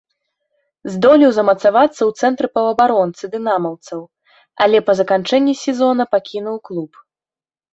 Здолеў замацавацца ў цэнтры паўабаронцы дынамаўцаў, але па заканчэнні сезона пакінуў клуб.